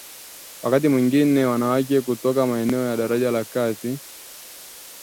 Wakati mwingine wanawake kutoka maeneo ya daraja la kati